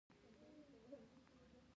روایت بدل شي، درد پټېږي.